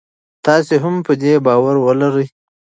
تاسي هم په دې باور ولرئ.